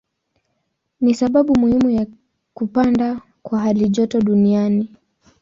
Ni sababu muhimu ya kupanda kwa halijoto duniani.